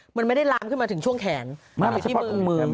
มันไม่ได้ลามขึ้นมาถึงช่วงแขนหรือที่มือ